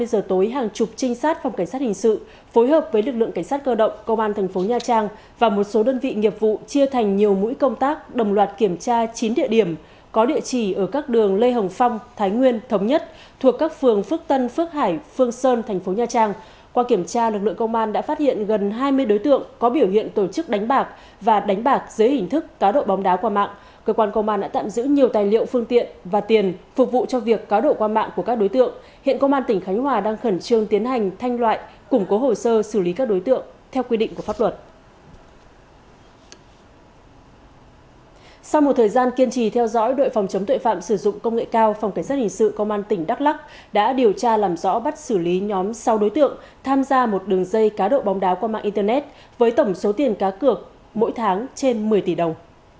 trời gian kiên trì theo dõi đội phòng chống tội phạm sử dụng công nghệ cao phòng cảnh sát hình sự công an tỉnh đắk lắc đã điều tra làm rõ bắt xử lý nhóm sáu đối tượng tham gia một đường dây cá độ bóng đá qua mạng internet với tổng số tiền cá cược mỗi tháng trên một mươi tỷ đồng